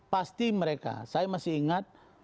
pasti mereka saya masih ingat